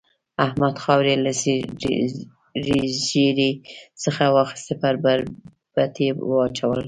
احمد خاورې له ږيرې څخه واخيستې پر برېت يې واچولې.